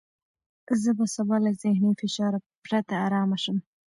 زه به سبا له ذهني فشار پرته ارامه شوم.